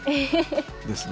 ですね。